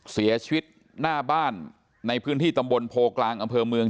เสียชีวิตหน้าบ้านในพื้นที่ตำบลโพกลางอำเภอเมือง